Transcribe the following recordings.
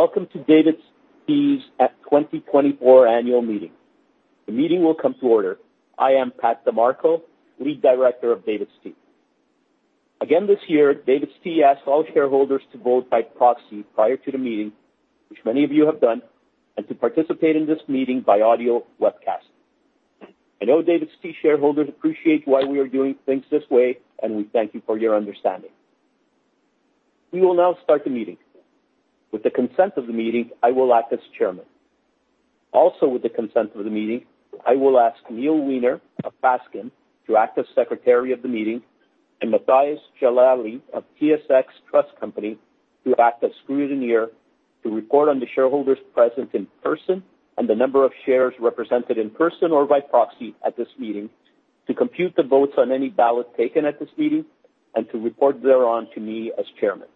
Welcome to DAVIDsTEA's 2024 annual meeting. The meeting will come to order. I am Pat De Marco, Lead Director of DAVIDsTEA. Again, this year, DAVIDsTEA asks all shareholders to vote by proxy prior to the meeting, which many of you have done, and to participate in this meeting by audio webcast. I know DAVIDsTEA shareholders appreciate why we are doing things this way, and we thank you for your understanding. We will now start the meeting. With the consent of the meeting, I will act as chairman. With the consent of the meeting, I will ask Neil Wiener of Fasken to act as Secretary of the meeting, and Matthias Jalali of TSX Trust Company to act as scrutineer to report on the shareholders present in person and the number of shares represented in person or by proxy at this meeting to compute the votes on any ballot taken at this meeting and to report thereon to me as chairman.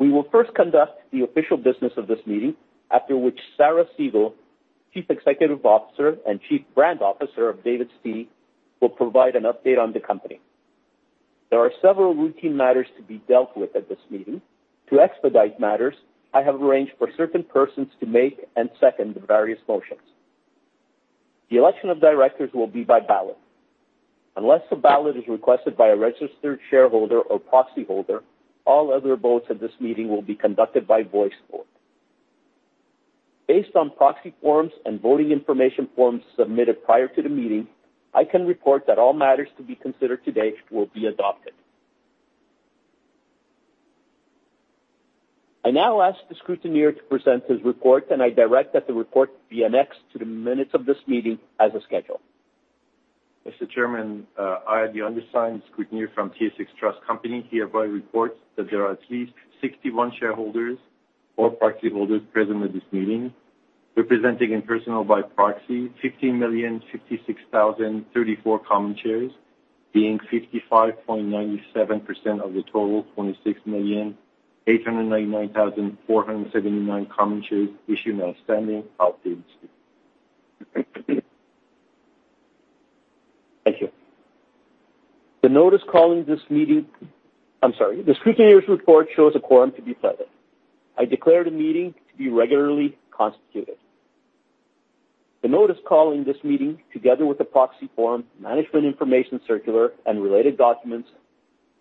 We will first conduct the official business of this meeting, after which Sarah Segal, Chief Executive Officer and Chief Brand Officer of DAVIDsTEA, will provide an update on the company. There are several routine matters to be dealt with at this meeting. To expedite matters, I have arranged for certain persons to make and second the various motions. The election of directors will be by ballot. Unless a ballot is requested by a registered shareholder or proxyholder, all other votes at this meeting will be conducted by voice vote. Based on proxy forms and voting information forms submitted prior to the meeting, I can report that all matters to be considered today will be adopted. I now ask the scrutineer to present his report, and I direct that the report be annexed to the minutes of this meeting as a schedule. Mr. Chairman, I, the undersigned, scrutineer from TSX Trust Company, hereby report that there are at least 61 shareholders or proxyholders present at this meeting, representing in person or by proxy 15,056,034 common shares, being 55.97% of the total 26,899,479 common shares issued and outstanding of DAVIDsTEA. Thank you. The scrutineer's report shows a quorum to be present. I declare the meeting to be regularly constituted. The notice calling this meeting, together with the proxy form, management information circular, and related documents,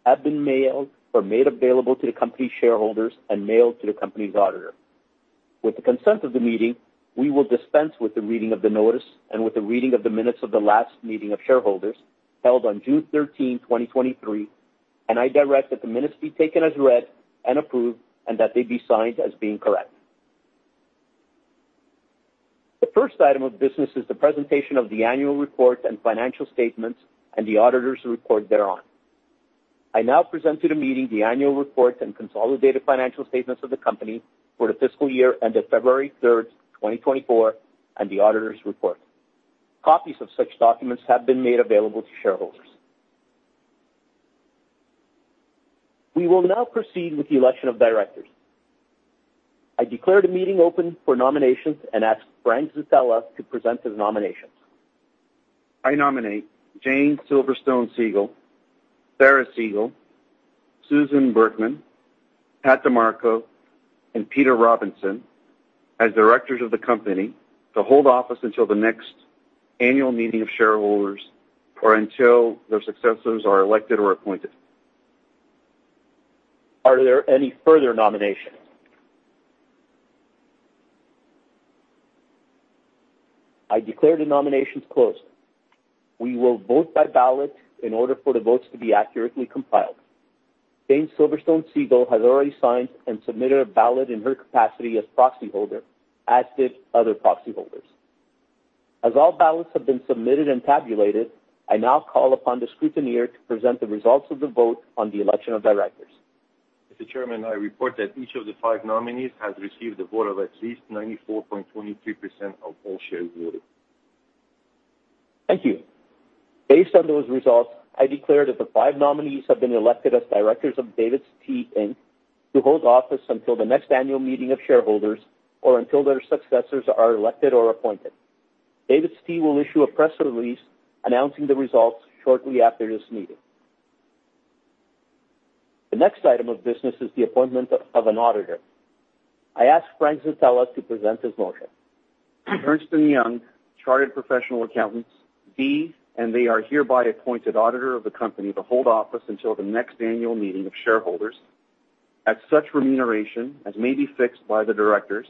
have been mailed or made available to the company's shareholders and mailed to the company's auditor. With the consent of the meeting, we will dispense with the reading of the notice and with the reading of the minutes of the last meeting of shareholders held on June 13, 2023, and I direct that the minutes be taken as read and approved, and that they be signed as being correct. The first item of business is the presentation of the annual report and financial statements and the auditor's report thereon. I now present to the meeting the annual report and consolidated financial statements of the company for the fiscal year ended February 3, 2024, and the auditor's report. Copies of such documents have been made available to shareholders. We will now proceed with the election of directors. I declare the meeting open for nominations and ask Frank Zitella to present his nominations. I nominate Jane Silverstone Segal, Sarah Segal, Susan Burkman, Pat De Marco, and Peter Robinson as directors of the company to hold office until the next annual meeting of shareholders, or until their successors are elected or appointed. Are there any further nominations? I declare the nominations closed. We will vote by ballot in order for the votes to be accurately compiled. Jane Silverstone Segal has already signed and submitted a ballot in her capacity as proxyholder, as did other proxyholders. As all ballots have been submitted and tabulated, I now call upon the scrutineer to present the results of the vote on the election of directors. Mr. Chairman, I report that each of the five nominees has received a vote of at least 94.23% of all shares voted. Thank you. Based on those results, I declare that the five nominees have been elected as directors of DAVIDsTEA Inc. to hold office until the next annual meeting of shareholders, or until their successors are elected or appointed. DAVIDsTEA will issue a press release announcing the results shortly after this meeting. The next item of business is the appointment of an auditor. I ask Frank Zitella to present his motion. Ernst & Young, Chartered Professional Accountants, be and they are hereby appointed auditor of the company to hold office until the next annual meeting of shareholders at such remuneration as may be fixed by the directors,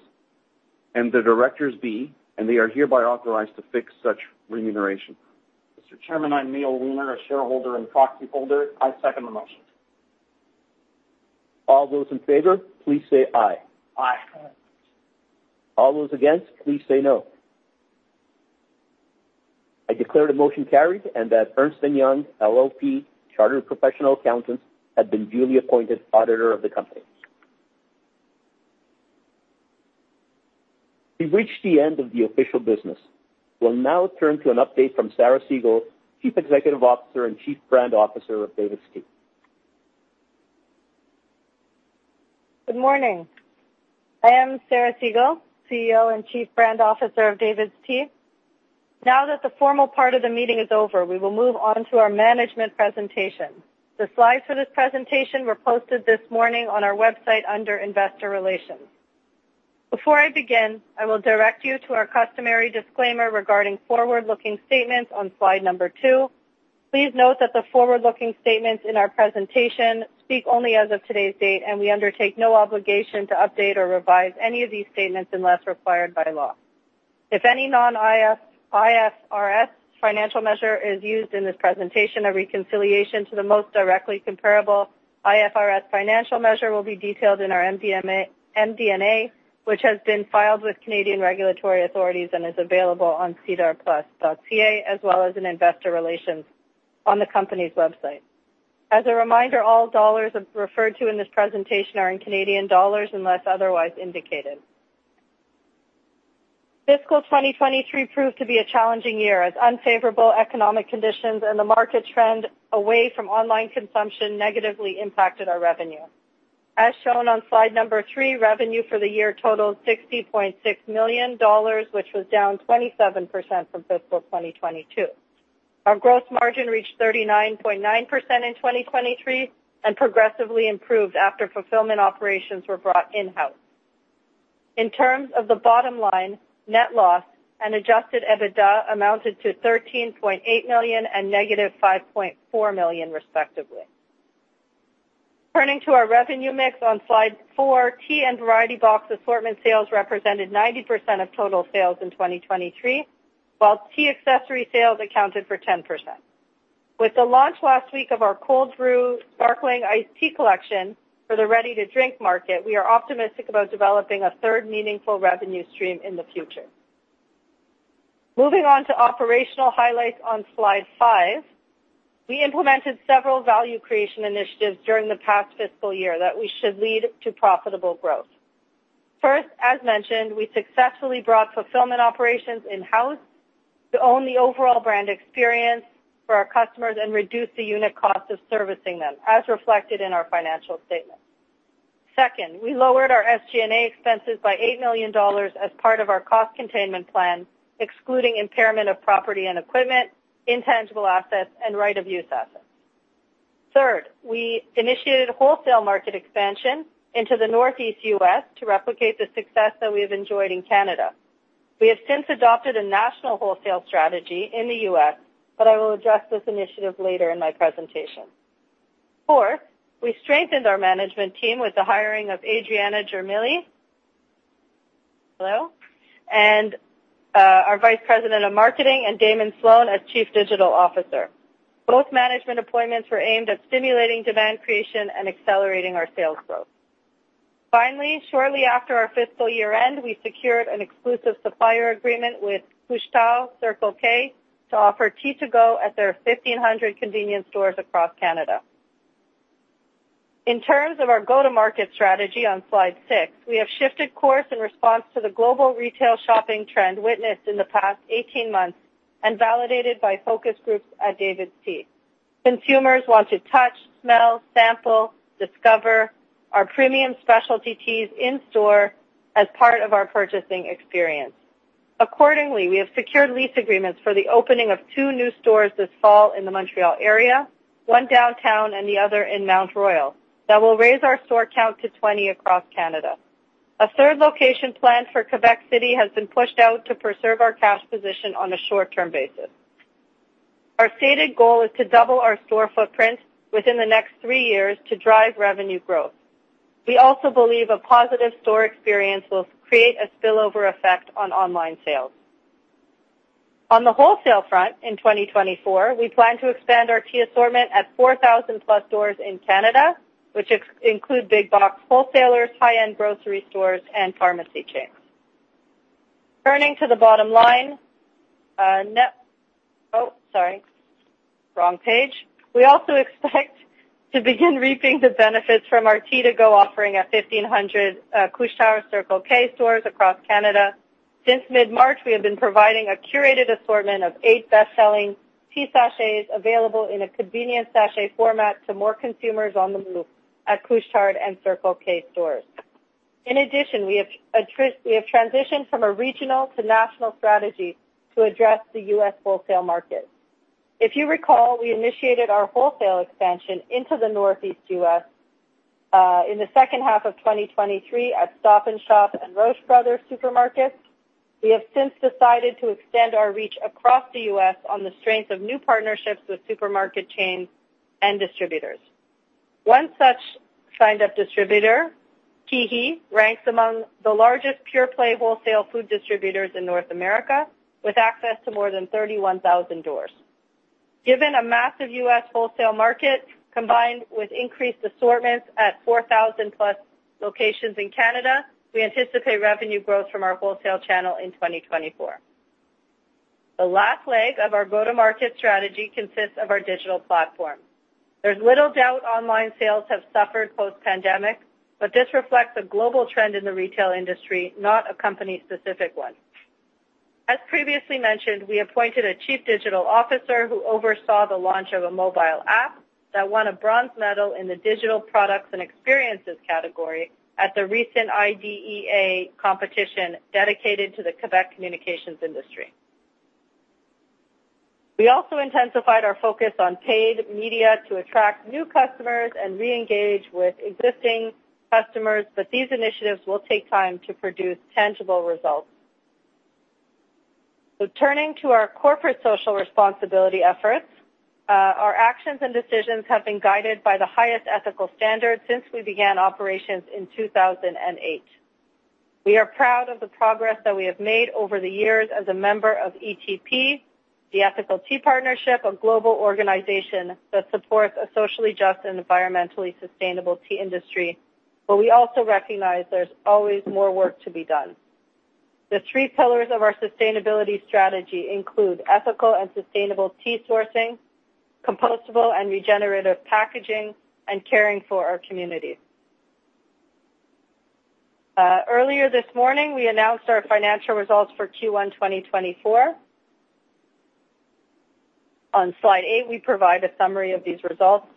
and the directors be, and they are hereby authorized to fix such remuneration. Mr. Chairman, I'm Neil Wiener, a shareholder and proxyholder. I second the motion. All those in favor, please say "aye." Aye. Aye. All those against, please say "no." I declare the motion carried and that Ernst & Young LLP Chartered Professional Accountants have been duly appointed auditor of the company. We've reached the end of the official business. We'll now turn to an update from Sarah Segal, Chief Executive Officer and Chief Brand Officer of DAVIDsTEA. Good morning. I am Sarah Segal, CEO and Chief Brand Officer of DAVIDsTEA. Now that the formal part of the meeting is over, we will move on to our management presentation. The slides for this presentation were posted this morning on our website under investor relations. Before I begin, I will direct you to our customary disclaimer regarding forward-looking statements on slide number two. Please note that the forward-looking statements in our presentation speak only as of today's date, and we undertake no obligation to update or revise any of these statements unless required by law. If any non-IFRS financial measure is used in this presentation, a reconciliation to the most directly comparable IFRS financial measure will be detailed in our MD&A, which has been filed with Canadian regulatory authorities and is available on sedarplus.ca, as well as in investor relations on the company's website. As a reminder, all dollars referred to in this presentation are in Canadian dollars unless otherwise indicated. Fiscal 2023 proved to be a challenging year, as unfavorable economic conditions and the market trend away from online consumption negatively impacted our revenue. As shown on slide number three, revenue for the year totaled 60.6 million dollars, which was down 27% from fiscal 2022. Our gross margin reached 39.9% in 2023 and progressively improved after fulfillment operations were brought in-house. In terms of the bottom line, net loss and adjusted EBITDA amounted to 13.8 million and negative 5.4 million respectively. Turning to our revenue mix on slide four, tea and variety box assortment sales represented 90% of total sales in 2023, while tea accessory sales accounted for 10%. With the launch last week of our cold brew sparkling iced tea collection for the ready-to-drink market, we are optimistic about developing a third meaningful revenue stream in the future. Moving on to operational highlights on slide five, we implemented several value creation initiatives during the past fiscal year that we should lead to profitable growth. First, as mentioned, we successfully brought fulfillment operations in-house to own the overall brand experience for our customers and reduce the unit cost of servicing them, as reflected in our financial statement. Second, we lowered our SG&A expenses by 8 million dollars as part of our cost containment plan, excluding impairment of property and equipment, intangible assets, and right of use assets. Third, we initiated wholesale market expansion into the Northeast U.S. to replicate the success that we have enjoyed in Canada. We have since adopted a national wholesale strategy in the U.S., but I will address this initiative later in my presentation. Fourth, we strengthened our management team with the hiring of Adriana Germilli, hello, our Vice-President of Marketing, and Damon Sloane as Chief Digital Officer. Both management appointments were aimed at stimulating demand creation and accelerating our sales growth. Finally, shortly after our fiscal year-end, we secured an exclusive supplier agreement with Couche-Tard/Circle K to offer Tea-2-Go at their 1,500 convenience stores across Canada. In terms of our go-to-market strategy on slide six, we have shifted course in response to the global retail shopping trend witnessed in the past 18 months and validated by focus groups at DAVIDsTEA. Consumers want to touch, smell, sample, discover our premium specialty teas in-store as part of our purchasing experience. Accordingly, we have secured lease agreements for the opening of two new stores this fall in the Montreal area, one downtown and the other in Mount Royal. That will raise our store count to 20 across Canada. A third location planned for Quebec City has been pushed out to preserve our cash position on a short-term basis. Our stated goal is to double our store footprint within the next three years to drive revenue growth. We also believe a positive store experience will create a spillover effect on online sales. On the wholesale front in 2024, we plan to expand our tea assortment at 4,000-plus stores in Canada, which include big box wholesalers, high-end grocery stores, and pharmacy chains. Turning to the bottom line, Oh, sorry. Wrong page. We also expect to begin reaping the benefits from our Tea-2-Go offering at 1,500 Couche-Tard/Circle K stores across Canada. Since mid-March, we have been providing a curated assortment of eight best-selling tea sachets available in a convenient sachet format to more consumers on the move at Couche-Tard and Circle K stores. In addition, we have transitioned from a regional to national strategy to address the U.S. wholesale market. If you recall, we initiated our wholesale expansion into the Northeast U.S. in the second half of 2023 at Stop & Shop and Roche Bros. supermarkets. We have since decided to extend our reach across the U.S. on the strength of new partnerships with supermarket chains and distributors. One such signed-up distributor, KeHE, ranks among the largest pure-play wholesale food distributors in North America, with access to more than 31,000 stores. Given a massive U.S. wholesale market combined with increased assortments at 4,000-plus locations in Canada, we anticipate revenue growth from our wholesale channel in 2024. The last leg of our go-to-market strategy consists of our digital platform. There's little doubt online sales have suffered post-pandemic, but this reflects a global trend in the retail industry, not a company-specific one. As previously mentioned, we appointed a Chief Digital Officer who oversaw the launch of a mobile app That won a bronze medal in the digital products and experiences category at the recent Idéa competition dedicated to the Quebec communications industry. We also intensified our focus on paid media to attract new customers and re-engage with existing customers, but these initiatives will take time to produce tangible results. Turning to our corporate social responsibility efforts, our actions and decisions have been guided by the highest ethical standards since we began operations in 2008. We are proud of the progress that we have made over the years as a member of ETP, the Ethical Tea Partnership, a global organization that supports a socially just and environmentally sustainable tea industry, but we also recognize there's always more work to be done. The three pillars of our sustainability strategy include ethical and sustainable tea sourcing, compostable and regenerative packaging, and caring for our communities. Earlier this morning, we announced our financial results for Q1 2024. On slide eight, we provide a summary of these results.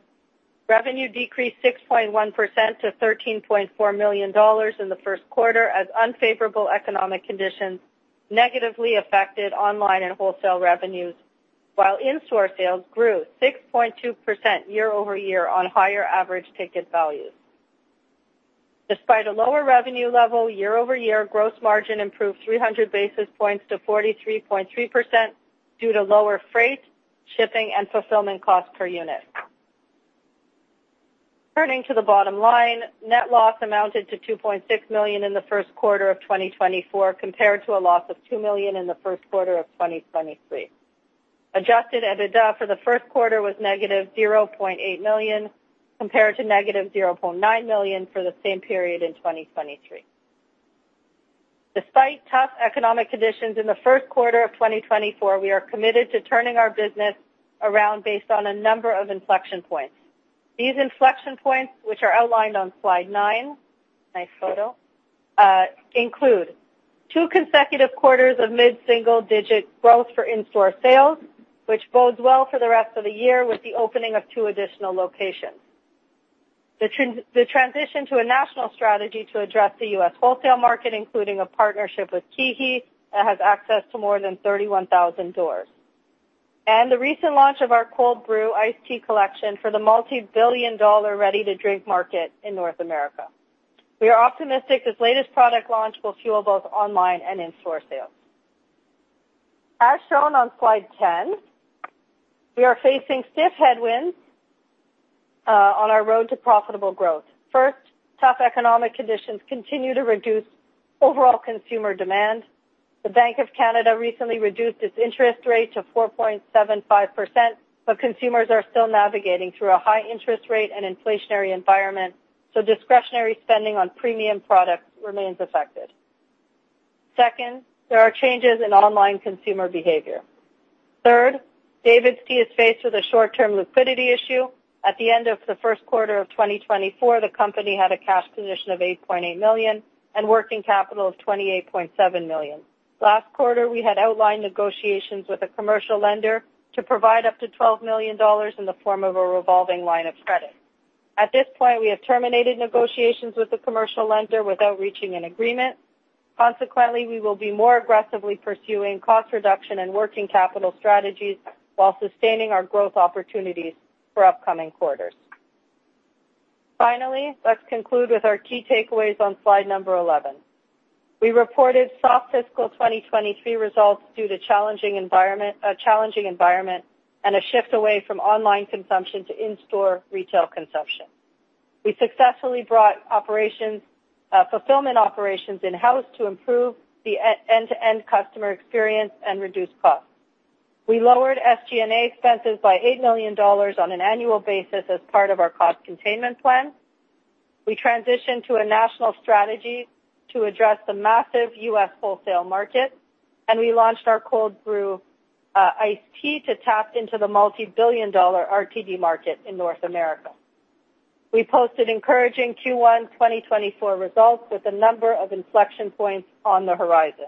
Revenue decreased 6.1% to 13.4 million dollars in the first quarter as unfavorable economic conditions negatively affected online and wholesale revenues, while in-store sales grew 6.2% year-over-year on higher average ticket values. Despite a lower revenue level year-over-year, gross margin improved 300 basis points to 43.3% due to lower freight, shipping, and fulfillment costs per unit. Turning to the bottom line, net loss amounted to 2.6 million in the first quarter of 2024, compared to a loss of 2 million in the first quarter of 2023. Adjusted EBITDA for the first quarter was negative 0.8 million, compared to negative 0.9 million for the same period in 2023. Despite tough economic conditions in the first quarter of 2024, we are committed to turning our business around based on a number of inflection points. These inflection points, which are outlined on slide nine, nice photo, include two consecutive quarters of mid-single-digit growth for in-store sales, which bodes well for the rest of the year with the opening of two additional locations. The transition to a national strategy to address the U.S. wholesale market, including a partnership with KeHE that has access to more than 31,000 doors. The recent launch of our cold brew iced tea collection for the multibillion-dollar ready-to-drink market in North America. We are optimistic this latest product launch will fuel both online and in-store sales. As shown on slide 10, we are facing stiff headwinds on our road to profitable growth. First, tough economic conditions continue to reduce overall consumer demand. The Bank of Canada recently reduced its interest rate to 4.75%, but consumers are still navigating through a high interest rate and inflationary environment, so discretionary spending on premium products remains affected. Second, there are changes in online consumer behavior. Third, DAVIDsTEA is faced with a short-term liquidity issue. At the end of the first quarter of 2024, the company had a cash position of 8.8 million and working capital of 28.7 million. Last quarter, we had outlined negotiations with a commercial lender to provide up to 12 million dollars in the form of a revolving line of credit. At this point, we have terminated negotiations with the commercial lender without reaching an agreement. Consequently, we will be more aggressively pursuing cost reduction and working capital strategies while sustaining our growth opportunities for upcoming quarters. Finally, let's conclude with our key takeaways on slide number 11. We reported soft fiscal 2023 results due to a challenging environment and a shift away from online consumption to in-store retail consumption. We successfully brought fulfillment operations in-house to improve the end-to-end customer experience and reduce costs. We lowered SG&A expenses by 8 million dollars on an annual basis as part of our cost containment plan. We transitioned to a national strategy to address the massive U.S. wholesale market. We launched our cold brew iced tea to tap into the multibillion-dollar RTD market in North America. We posted encouraging Q1 2024 results with a number of inflection points on the horizon.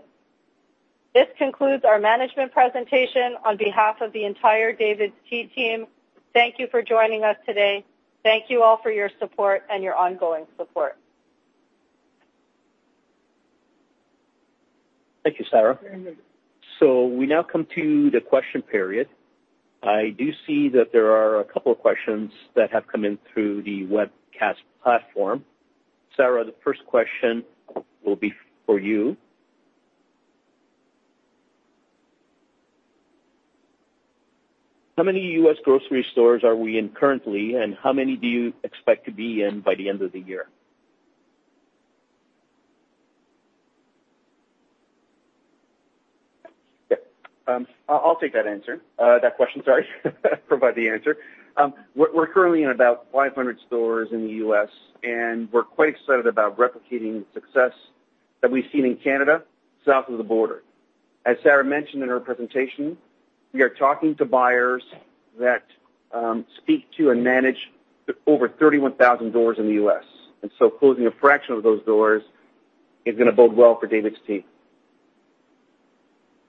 This concludes our management presentation. On behalf of the entire DAVIDsTEA team, thank you for joining us today. Thank you all for your support and your ongoing support. Thank you, Sarah. We now come to the question period. I do see that there are a couple of questions that have come in through the webcast platform. Sarah, the first question will be for you. How many U.S. grocery stores are we in currently, and how many do you expect to be in by the end of the year? I'll take that question, sorry, provide the answer. We're currently in about 500 stores in the U.S., and we're quite excited about replicating the success that we've seen in Canada, south of the border. As Sarah mentioned in her presentation, we are talking to buyers that speak to and manage over 31,000 doors in the U.S., and so closing a fraction of those doors is gonna bode well for DAVIDsTEA.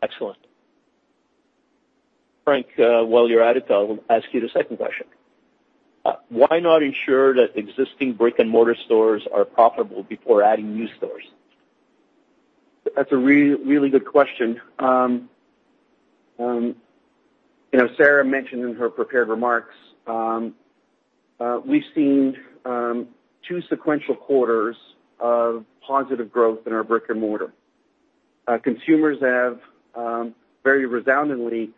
Excellent. Frank, while you're at it, I'll ask you the second question. Why not ensure that existing brick-and-mortar stores are profitable before adding new stores? That's a really good question. Sarah mentioned in her prepared remarks, we've seen two sequential quarters of positive growth in our brick-and-mortar. Consumers have very resoundingly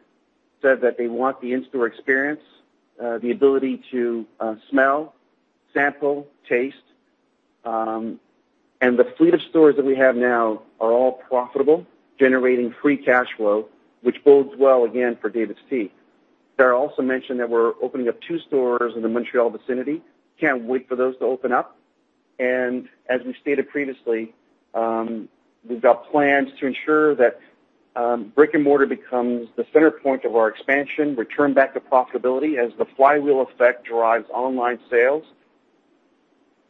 said that they want the in-store experience, the ability to smell, sample, taste. The fleet of stores that we have now are all profitable, generating free cash flow, which bodes well again for DAVIDsTEA. Sarah also mentioned that we're opening up two stores in the Montreal vicinity. Can't wait for those to open up. As we stated previously, we've got plans to ensure that brick-and-mortar becomes the center point of our expansion, return back to profitability as the flywheel effect drives online sales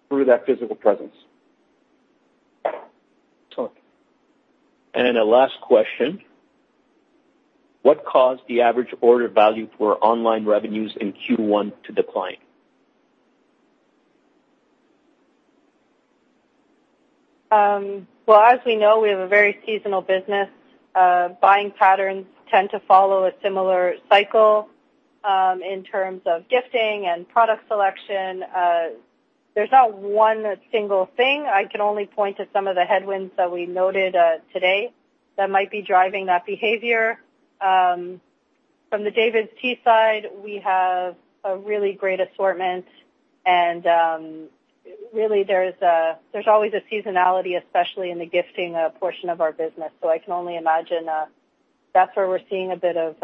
through that physical presence. The last question. What caused the average order value for online revenues in Q1 to decline? Well, as we know, we have a very seasonal business. Buying patterns tend to follow a similar cycle, in terms of gifting and product selection. There's not one single thing. I can only point to some of the headwinds that we noted today that might be driving that behavior. From the DAVIDsTEA side, we have a really great assortment and, really there's always a seasonality, especially in the gifting portion of our business. I can only imagine that's where we're seeing a bit of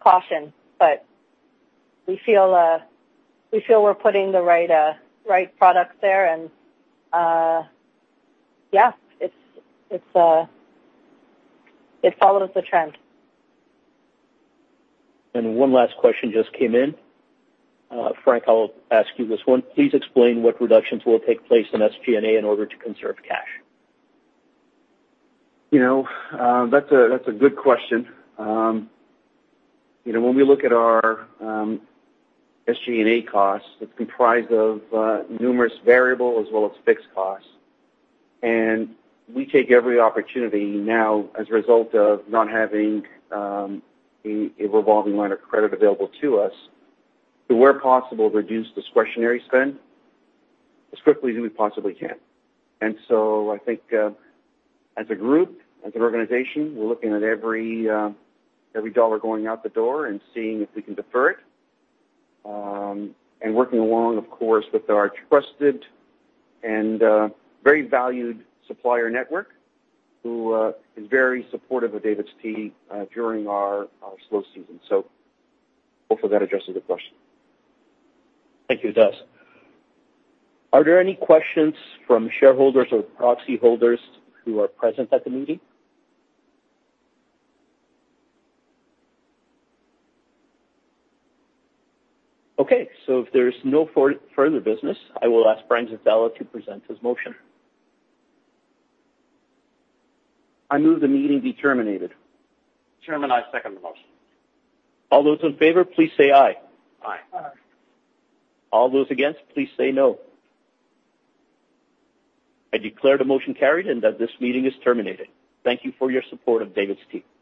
caution. We feel we're putting the right products there and, yeah, it follows the trend. One last question just came in. Frank, I'll ask you this one. Please explain what reductions will take place in SG&A in order to conserve cash. That's a good question. When we look at our SG&A costs, it's comprised of numerous variable as well as fixed costs. We take every opportunity now as a result of not having a revolving line of credit available to us to, where possible, reduce discretionary spend as quickly as we possibly can. I think, as a group, as an organization, we're looking at every dollar going out the door and seeing if we can defer it, and working along, of course, with our trusted and very valued supplier network, who is very supportive of DAVIDsTEA during our slow season. Hopefully that addresses the question. Thank you. It does. Are there any questions from shareholders or proxy holders who are present at the meeting? Okay. If there's no further business, I will ask Frank Zitella to present his motion. I move the meeting be terminated. Chairman, I second the motion. All those in favor, please say "Aye. Aye. Aye. All those against, please say "No." I declare the motion carried and that this meeting is terminated. Thank you for your support of DAVIDsTEA.